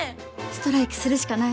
ストライキするしかない。